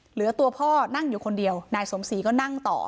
เหลือตัวพ่อนั่งอยู่คนเดียวนายสมศรีก็นั่งต่อ